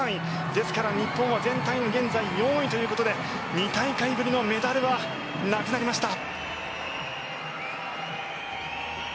ですから、日本は全体の４位ということで２大会ぶりのメダルはなくなりました。